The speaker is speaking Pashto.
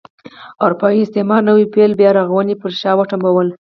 اروپايي استعمار نوي پیل بیا رغونه پر شا وتمبوله.